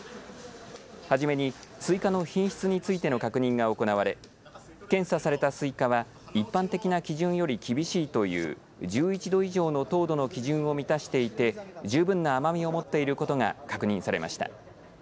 初めに、すいかの品質についての確認が行われ検査されたすいかは一般的な基準より厳しいという１１度以上の糖度の基準を満たしていて十分な甘みを持っていることが確認されました。